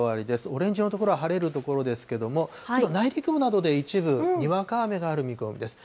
オレンジ色の所は晴れる所ですけども、ちょっと内陸部などで一部にわか雨がある見込みです。